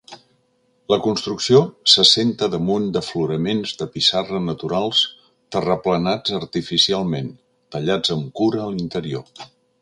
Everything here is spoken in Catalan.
La construcció s'assenta damunt d'afloraments de pissarra naturals terraplenats artificialment, tallats amb cura a l'interior.